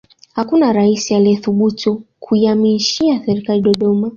hakuna raisi aliyethubutu kuihamishia serikali dodoma